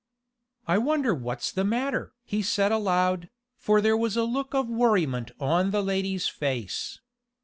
"I wonder what's the matter?" he said aloud, for there was a look of worriment on the lady's face.